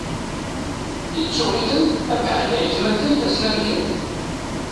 Ittuɣ-int abḥal d ayetmaten ass-n anken.